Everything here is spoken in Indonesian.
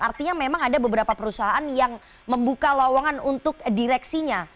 artinya memang ada beberapa perusahaan yang membuka lawangan untuk direksinya